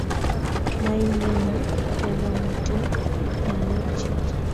maindenon bokwonti ng'alekchich